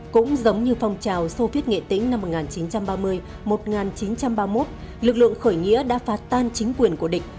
cũng giống như phong trào soviet nghệ tính năm một nghìn chín trăm ba mươi một nghìn chín trăm ba mươi một lực lượng khởi nghĩa đã phát tan chính quyền của địch